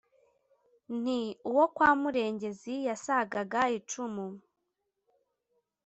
nti: uwo kwa murengezi yasagaga icumu,